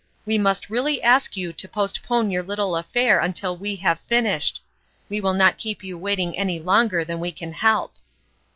We must really ask you to postpone your little affair until we have finished. We will not keep you waiting any longer than we can help."